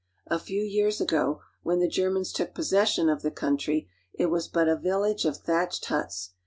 | A few years ago, when the Germans took possession of the ] country, it was but a village of thatched huts.